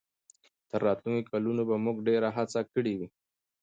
تر راتلونکو کلونو به موږ ډېره هڅه کړې وي.